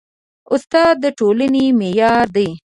استاد د ټولنې معمار دی.